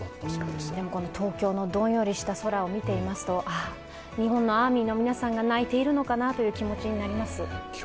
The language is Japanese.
でもこの東京のどんよりした空を見ていますと日本のアーミーの皆さんが泣いているのかなという気持ちになります。